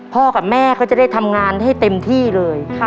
กับแม่ก็จะได้ทำงานให้เต็มที่เลย